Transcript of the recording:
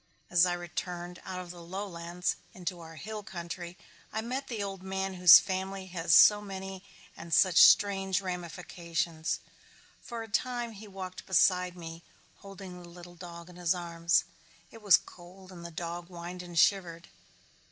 As I returned out of the lowlands into our hill country I met the old man whose family has so many and such strange ramifications. For a time he walked beside me holding the little dog in his arms. It was cold and the dog whined and shivered.